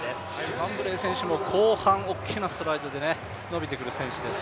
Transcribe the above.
ファンブレー選手も後半、大きなストライドで伸びてくる選手です。